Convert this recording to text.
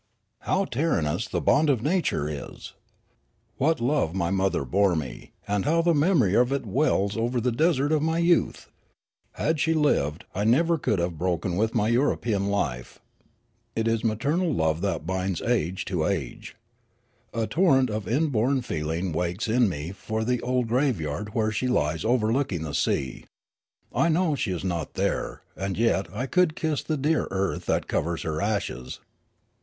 How tyrannous the bond of nature is ! What love my mother bore me, and how the memorj^ of it wells over the desert of my youth ! Had she lived, I never could have broken with my European life. It is ma ternal love that binds age to age. A torrent of inborn feeling w^akes in me for the old graveyard where she lies overlooking the sea. I know she is not there, and yet I could kiss the dear earth that covers her ashes.